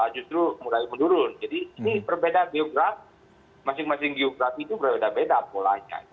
jadi ini berbeda geografi masing masing geografi itu berbeda beda polanya